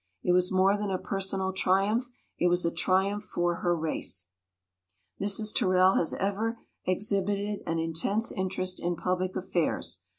It was more than a personal tri umph; it was a triumph for her race." Mrs. Terrell has ever exhibited an in tense interest in public affairs.